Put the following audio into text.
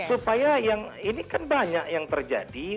supaya yang ini kan banyak yang terjadi